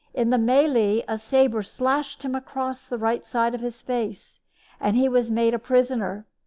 In the melee a saber slashed him across the right side of his face, and he was made prisoner.